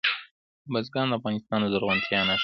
بزګان د افغانستان د زرغونتیا نښه ده.